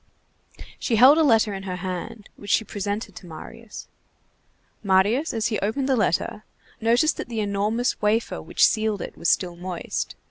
She held a letter in her hand, which she presented to Marius. Marius, as he opened the letter, noticed that the enormous wafer which sealed it was still moist.